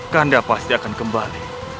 kanda pasti akan kembali